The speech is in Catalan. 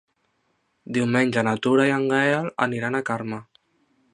Diumenge na Tura i en Gaël aniran a Carme.